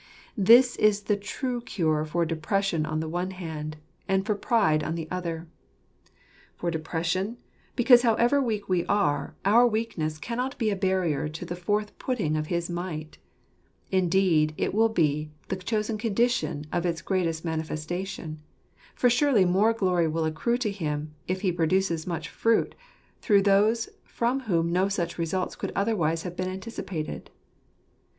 This is the true cure for depression on the one hand, and for pride on the other. For depression : because however weak we are, our weakness cannot be a barrier to the forth putting of his might Indeed, it will be the chosen condition of its greatest manifestation ; for surely more glory will accrue to Him, if He produces much fruit through those from whom no such results could otherwise have been anticipated.